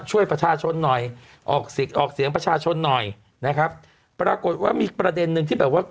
ช่วยประชาชนหน่อยออกสิทธิ์ออกเสียงประชาชนหน่อยนะครับปรากฏว่ามีประเด็นหนึ่งที่แบบว่า